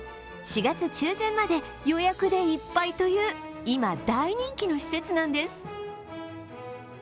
４月中旬まで予約でいっぱいという今、大人気の施設なんです。